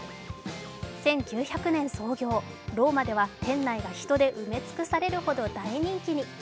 １９００年創業、ローマでは店内が人で埋め尽くされるほど大人気に。